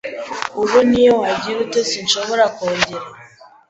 ubu n’iyo wagira ute sinshobora kongera